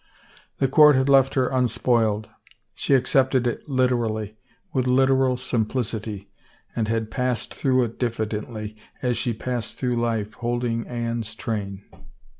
The court had left her unspoiled. She accepted it literally, with literal simplicity, and had passed through it diffi dently, as she passed through Hit, holding Anne's train.